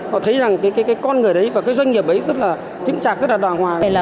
họ thấy rằng cái con người đấy và cái doanh nghiệp ấy rất là tĩnh trạc rất là đoàn hòa